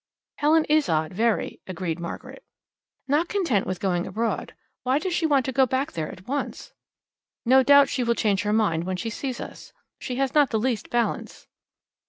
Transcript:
"Helen is odd, very," agreed Margaret. "Not content with going abroad, why does she want to go back there at once?" "No doubt she will change her mind when she sees us. She has not the least balance."